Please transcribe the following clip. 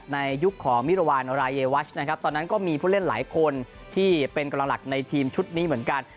ในยุคของมิรวรรณรายวัชนะครับตอนนั้นก็มีผู้เล่นหลายคนที่เป็นกำลังหลักในทีมชุดนี้เหมือนกัน